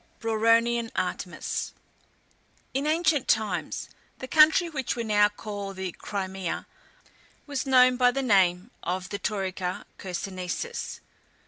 BRAURONIAN ARTEMIS. In ancient times, the country which we now call the Crimea, was known by the name of the Taurica Chersonnesus.